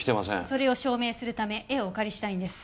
それを証明するため絵をお借りしたいんです。